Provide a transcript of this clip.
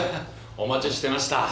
お待ちしてました。